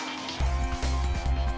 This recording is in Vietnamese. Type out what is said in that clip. tiếng việt dicessity của